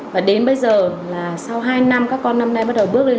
và đến bây giờ là sau hai năm các con năm nay bắt đầu bước lên